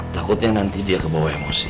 takutnya nanti dia kebawa emosi